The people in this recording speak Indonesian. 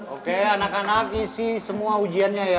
oke anak anak isi semua ujiannya ya